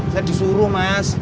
saya disuruh mas